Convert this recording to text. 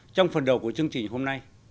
trong phần đầu của chương trình hôm nay